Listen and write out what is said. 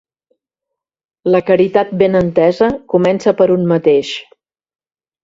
La caritat ben entesa comença per un mateix.